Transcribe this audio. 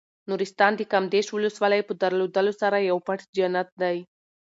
نورستان د کامدېش ولسوالۍ په درلودلو سره یو پټ جنت دی.